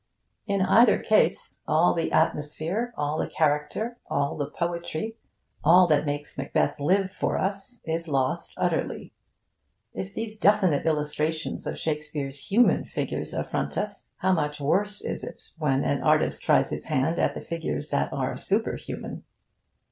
In either case, all the atmosphere, all the character, all the poetry, all that makes Macbeth live for us, is lost utterly. If these definite illustrations of Shakespeare's human figures affront us, how much worse is it when an artist tries his hand at the figures that are superhuman!